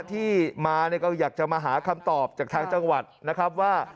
ที่มาเนี่ยก็อยากจะมาหาคำตอบจากทางจังหวัดนะครับว่า